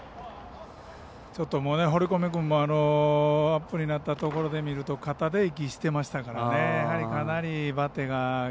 ちょっと堀米君もアップになったところで見ると肩で息してましたからね。